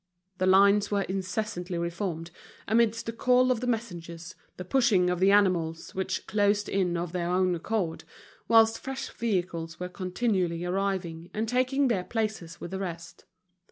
The lines were incessantly reformed, amidst the calls of the messengers, the pushing of the animals which closed in of their own accord, whilst fresh vehicles were continually arriving and taking their places with the rest.